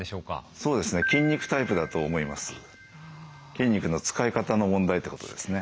筋肉の使い方の問題ってことですね。